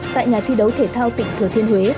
tại nhà thi đấu thể thao tỉnh thừa thiên huế